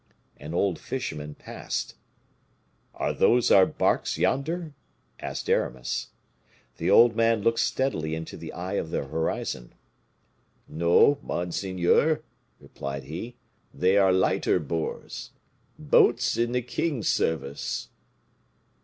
An old fisherman passed. "Are those our barks, yonder?" asked Aramis. The old man looked steadily into the eye of the horizon. "No, monseigneur," replied he, "they are lighter boars, boats in the king's service."